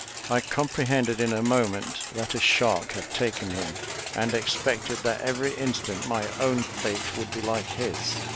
I comprehended in a moment that a shark had taken him, and expected that every instant my own fate would be like his.